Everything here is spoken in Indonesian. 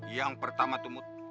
yang pertama tuh mut